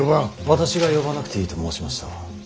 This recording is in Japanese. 私が呼ばなくていいと申しました。